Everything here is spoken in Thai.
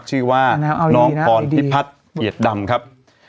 ชื่อว่าน้องพรพิพัฒน์เกียรติดำครับ